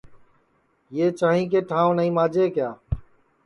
یہ چاںٚئی کے ٹھاںٚو نائی ماجے کیا